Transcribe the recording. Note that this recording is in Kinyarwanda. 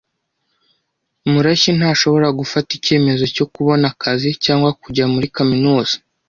Murashyi ntashobora gufata icyemezo cyo kubona akazi cyangwa kujya muri kaminuza.